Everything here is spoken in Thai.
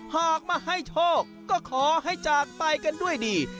หากมาให้โชคก็ขอให้จากไปกันด้วยดี